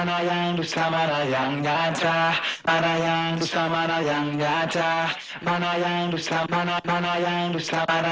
oke ini dia dekat dengan mana dusta mana nyata